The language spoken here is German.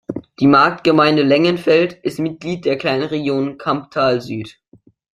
Die Marktgemeinde Lengenfeld ist Mitglied der Kleinregion Kamptal Süd.